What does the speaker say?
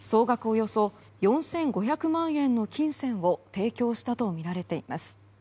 およそ４５００万円の金銭を提供したとみられています。